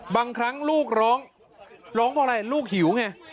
บางครั้งลูกร้องร้องเพราะอะไรลูกหิวไง